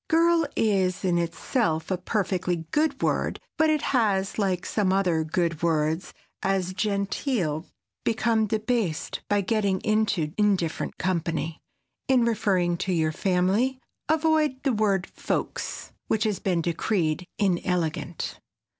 "Girl" is in itself a perfectly good word but it has, like some other good words as "genteel," become debased by getting into indifferent company. In referring to your family avoid the word "folks" which has been decreed inelegant.